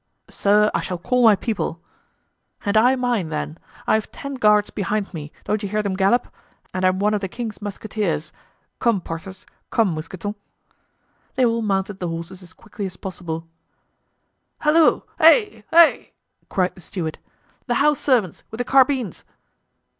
"Sir, I shall call my people." "And I, mine; I've ten guards behind me, don't you hear them gallop? and I'm one of the king's musketeers. Come, Porthos; come, Mousqueton." They all mounted the horses as quickly as possible. "Halloo! hi! hi!" cried the steward; "the house servants, with the carbines!"